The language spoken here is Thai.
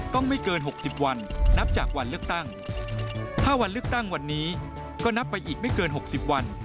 ไม่เกิน๖๐วันนับจากวันเลือกตั้งถ้าวันเลือกตั้งวันนี้ก็นับไปอีกไม่เกิน๖๐วัน